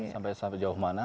sampai jauh mana